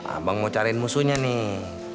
abang mau cariin musuhnya nih